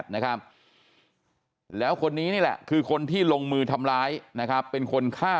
นะครับแล้วคนนี้นี่แหละคือคนที่ลงมือทำร้ายนะครับเป็นคนฆ่า